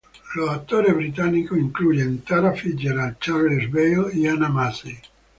Los actores británicos incluyen Tara Fitzgerald, Charles Baile y Anna Massey.